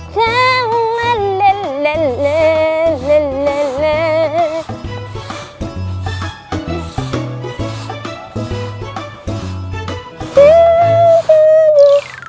biar halaman bersih ya